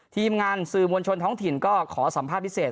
ทีมงานสื่อมวลชนท้องถิ่นก็ขอสัมภาษณ์พิเศษ